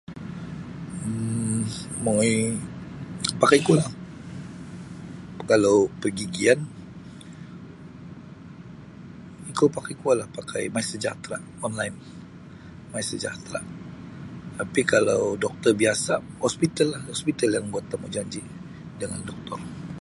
um Mongoi pakai kuolah kalau pergigian ikou pakai kuolah pakai MySejahtera online MySejahtera tapi kalau doktor biasa' hospital hospital yang buat da temujanji dengan doktor.